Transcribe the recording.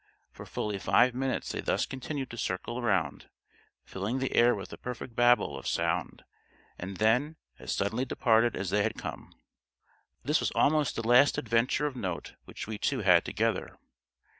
For fully five minutes they thus continued to circle around, filling the air with a perfect Babel of sound, and then, as suddenly departed as they had come. This was almost the last adventure of note which we two had together.